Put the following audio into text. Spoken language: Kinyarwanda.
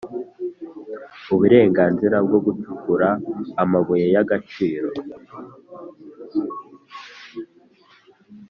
uburenganzira bwo gucukura amabuye y agaciro